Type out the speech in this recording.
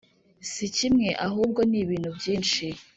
si kimwe ahubwo nibintu byinshi